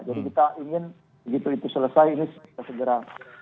jadi kita ingin begitu itu selesai ini kita segera